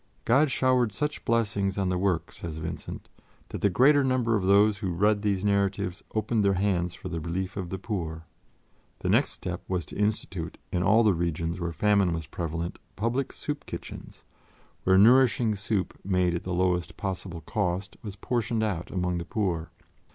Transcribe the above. "God showered such blessings on the work," says Vincent, "that the greater number of those who read these narratives opened their hands for the relief of the poor." The next step was to institute in all the regions where famine was prevalent public soup kitchens, where nourishing soup, made at the lowest possible cost, was portioned out among the poor.